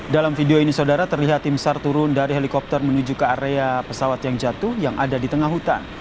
dalam video ini saudara terlihat tim sar turun dari helikopter menuju ke area pesawat yang jatuh yang ada di tengah hutan